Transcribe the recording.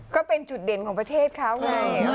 ก็เป็นจุดเด่นของประเทศเขาไง